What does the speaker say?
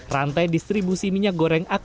rantai distribusi minyak goreng